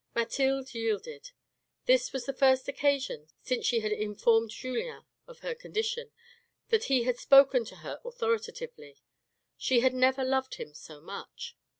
Mathilde yielded. This was the first occasion, since she had informed Julien of her condition, that he had spo\en to her authoritatively. She had never loved him so much.